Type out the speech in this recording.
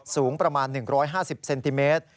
สูงประมาณ๑๕๐เซนติเมตร